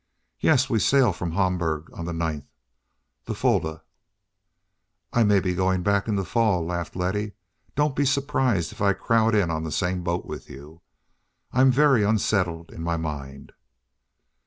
"Yes; we sail from Hamburg on the ninth—the Fulda." "I may be going back in the fall," laughed Letty. "Don't be surprised if I crowd in on the same boat with you. I'm very unsettled in my mind."